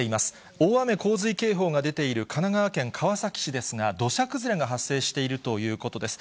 大雨洪水警報が出ている神奈川県川崎市ですが、土砂崩れが発生しているということです。